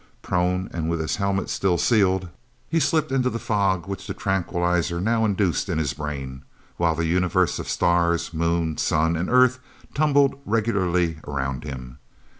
Prone, and with his helmet still sealed, he slipped into the fog which the tranquilizer now induced in his brain, while the universe of stars, Moon, sun and Earth tumbled regularly around him.